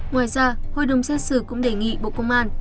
ngoài ra hội đồng xét xử cũng đề nghị bộ công an